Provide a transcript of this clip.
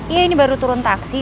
iya ini baru turun taksi